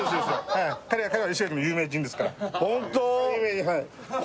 はい彼は石垣の有名人ですから本当！？